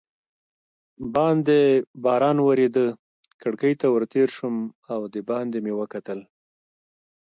باندې باران ورېده، کړکۍ ته ور تېر شوم او دباندې مې وکتل.